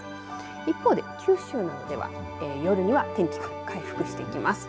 一方で九州などでは夜には天気が回復してきます。